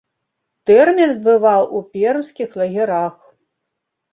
Тэрмін адбываў у пермскіх лагерах.